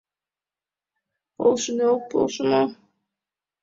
Полшыде, ок полшо мо?